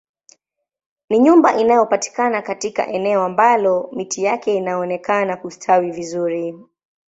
Ni nyumba inayopatikana katika eneo ambalo miti yake inaonekana kustawi vizuri